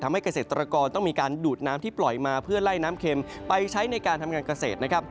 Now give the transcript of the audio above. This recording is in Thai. เกษตรกรต้องมีการดูดน้ำที่ปล่อยมาเพื่อไล่น้ำเข็มไปใช้ในการทำงานเกษตรนะครับ